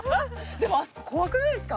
でもあそこ怖くないですか？